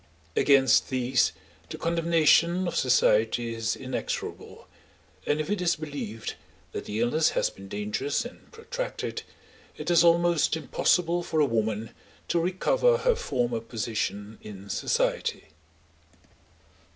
Against these the condemnation of society is inexorable, and if it is believed that the illness has been dangerous and protracted, it is almost impossible for a woman to recover her former position in society.